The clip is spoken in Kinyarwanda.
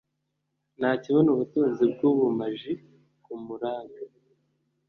ntakibona ubutunzi bwubumaji kumuranga